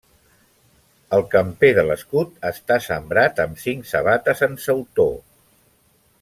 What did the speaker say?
El camper de l'escut està sembrat amb cinc sabates en sautor.